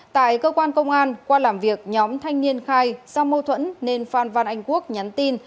tại cơ quan công an qua làm việc nhóm thanh niên khai do mâu thuẫn nên phan văn anh quốc nhắn tin